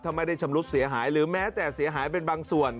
ถ้าไม่ได้ชำรุดเสียหายหรือแม้แต่เสียหายเป็นบางส่วน